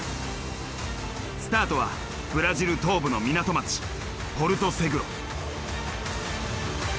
スタートはブラジル東部の港町ポルトセグロ。